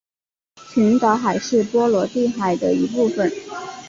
群岛海是波罗的海的一部份。